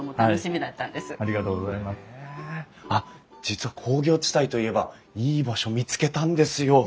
あっ実は工業地帯といえばいい場所見つけたんですよ！